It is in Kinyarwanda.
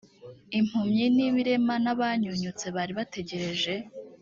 impumyi n ibirema n abanyunyutse bari bategereje